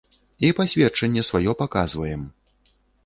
І пасведчанне сваё паказваем!